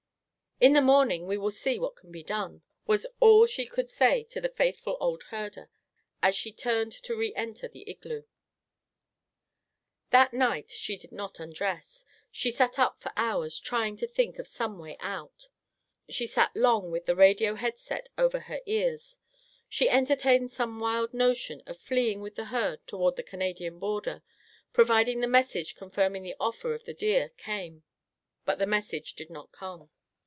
"In the morning we will see what can be done," was all she could say to the faithful old herder as she turned to re enter the igloo. That night she did not undress. She sat up for hours, trying to think of some way out. She sat long with the radio head set over her ears. She entertained some wild notion of fleeing with the herd toward the Canadian border, providing the message confirming the offer for the deer came. But the message did not come.